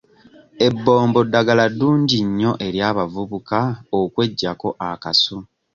Ebbombo ddagala ddungi nnyo eri abavubuka okweggyako akasu.